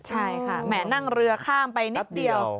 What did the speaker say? ใช่ค่ะแหมนั่งเรือข้ามไปนิดเดียว